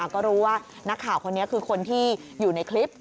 ก็รู้ว่านักข่าวคนนี้คือคนที่อยู่ในคลิป